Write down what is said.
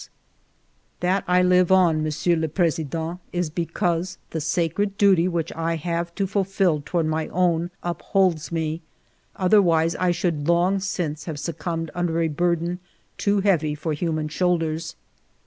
ALFRED DREYFUS 171 *' That I live on, Monsieur le President, is because tiie sacred duty which I have to fulfil toward my own upholds me ; otherwise I should long since have succumbed under a burden too heavy for human shoulders.